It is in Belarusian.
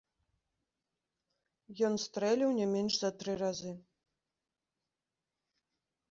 Ён стрэліў не менш за тры разы.